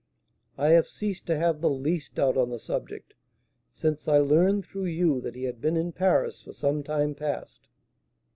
"I have ceased to have the least doubt on the subject, since I learned through you that he had been in Paris for some time past."